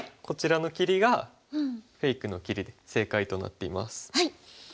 こちらの切りがフェイクの切りで正解となっています。